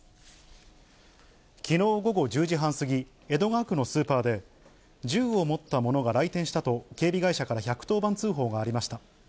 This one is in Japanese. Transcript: きのう午後１０時半過ぎ、江戸川区のスーパーで、銃を持った者が来店したと、警備会社から１１０番通報がありました。